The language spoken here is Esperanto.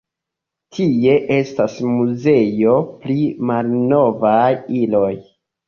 Tie estas muzeo pri malnovaj iloj.